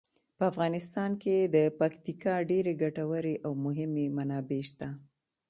په افغانستان کې د پکتیکا ډیرې ګټورې او مهمې منابع شته.